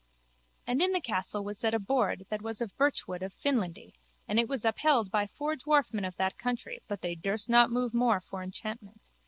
And in the castle was set a board that was of the birchwood of Finlandy and it was upheld by four dwarfmen of that country but they durst not move more for enchantment.